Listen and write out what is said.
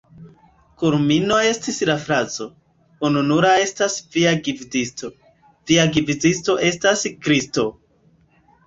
Kulmino estis la frazo: "Ununura estas via gvidisto, via gvidisto estas Kristo.